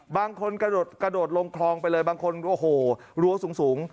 บางคนกระโดดลงคลองไปเลยบางคนโอ้โหรั้วสูง